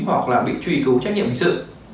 hoặc là bị truy cứu trách nhiệm hình sự